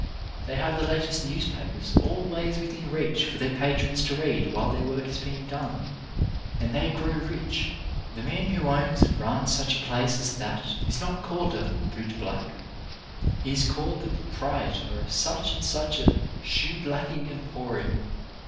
They have i28 CHARACTER BUILDING the latest newspapers always within reach for their patrons to read while their work is being done, and they grow rich. The man who owns and runs such a place as that is not called a ''boot black"; he is called the proprietor of such and such a "Shoe blacking Emporium."